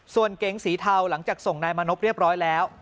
ส่วนเก๋งสีเทาหลังจากส่งนายมานพเรียบร้อยแล้ว